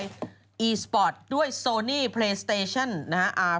พี่ชอบแซงไหลทางอะเนาะ